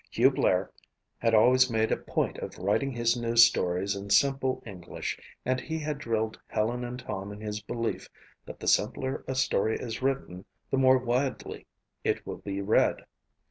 Hugh Blair had always made a point of writing his news stories in simple English and he had drilled Helen and Tom in his belief that the simpler a story is written the more widely it will be read.